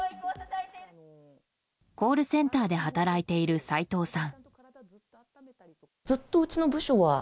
コールセンターで働いている斉藤さん。